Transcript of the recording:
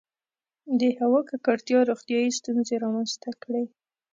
• د هوا ککړتیا روغتیایي ستونزې رامنځته کړې.